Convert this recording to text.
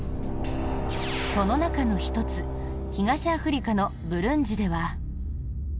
その中の１つ東アフリカのブルンジでは。